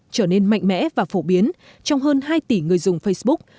trở nên mạnh mẽ và phổ biến trong hơn hai tỷ người dùng facebook